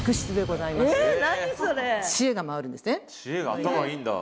頭いいんだ。